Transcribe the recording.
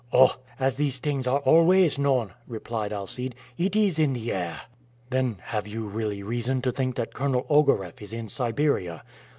"Oh! as these things are always known," replied Alcide; "it is in the air." "Then have you really reason to think that Colonel Ogareff is in Siberia?"